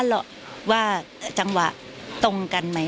หรอกว่าจังหวะตรงกันไหม